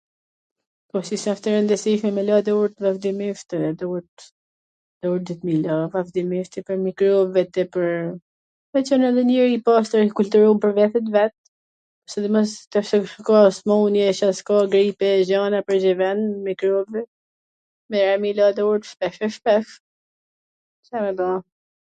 po si s asht e rwndwsishme me la durt vazhdimisht, durt duhet me i la vazhdimisht se ka mikrobe dhe pwr t qwn njeri i pastwr edhe i kulturum pwr vete t vet, sidomos tashi ka smun-je, Ca s; ka grip e gjana pwrnjimen, mikrobe, merre me i la durt shpesh e shpesh, Ca me ba...